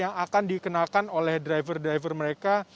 yang akan dikenakan oleh driver driver mereka